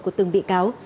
của từng bị cáo